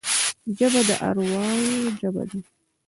ژبه د ارواحو ژبه ده